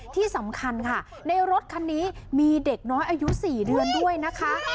ที่สำคัญค่ะในรถคันนี้มีเด็กน้อยอายุ๔เดือนด้วยนะคะ